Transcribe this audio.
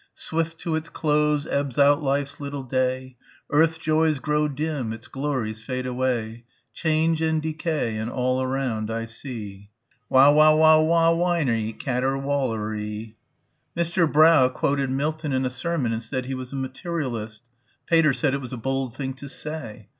"Swift to its close ebbs out life's little day; Earth's joys grow dim, its glories fade away; Change and decay in all around I see." Wow wow wow whiney caterwauley.... Mr. Brough quoted Milton in a sermon and said he was a materialist.... Pater said it was a bold thing to say....